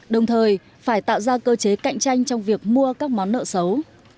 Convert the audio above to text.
đồng thời phải tạo ra cơ chế cạnh tranh trong việc mua các món nợ xấu